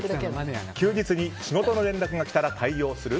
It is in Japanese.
休日に仕事の連絡が来たら対応する。